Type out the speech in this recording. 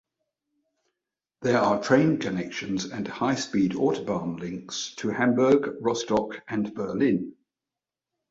There are train connections, and high-speed autobahn links to Hamburg, Rostock, and Berlin.